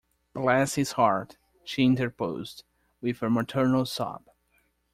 ‘Bless his heart!’ she interposed, with a maternal sob.